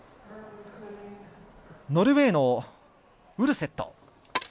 ノルウェーのウルセット。